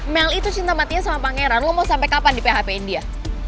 mel itu cinta matinya sama pangeran lu mau sampe kapan di php in dia